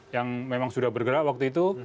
yang memang sudah bergerak waktu itu